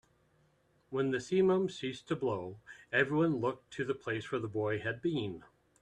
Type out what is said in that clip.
When the simum ceased to blow, everyone looked to the place where the boy had been.